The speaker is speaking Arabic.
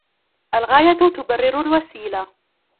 الغاية تبرر الوسيلة.